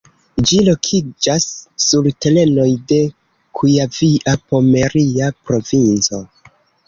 Ĝi lokiĝas sur terenoj de Kujavia-Pomeria Provinco.